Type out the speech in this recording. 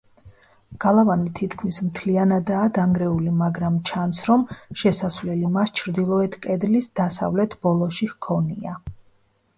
გალავანი თითქმის მთლიანადაა დანგრეული, მაგრამ ჩანს, რომ შესასვლელი მას ჩრდილოეთ კედლის დასავლეთ ბოლოში ჰქონია.